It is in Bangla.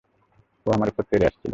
ও আমার উপর তেড়ে আসছিল।